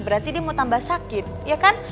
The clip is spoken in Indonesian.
berarti dia mau tambah sakit ya kan